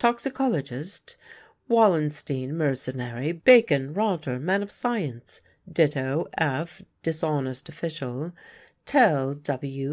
toxicologist; Wallenstein, mercenary; Bacon, Roger, man of science; Ditto, F., dishonest official; Tell, W.